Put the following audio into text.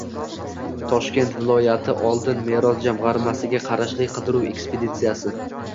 Toshkent viloyati “Oltin meros”jamg‘armasiga qarashli qidiruv ekspeditsiyasi